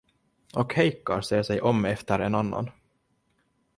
Och Heikka ser sig om efter en annan.